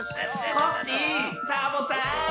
コッシーサボさん！